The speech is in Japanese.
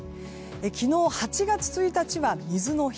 昨日、８月１日は水の日。